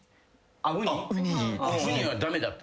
ウニは駄目だった？